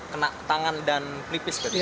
kena tangan dan pelipis berarti pak